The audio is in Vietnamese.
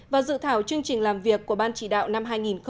và dự thảo chương trình làm việc của ban chỉ đạo năm hai nghìn một mươi bảy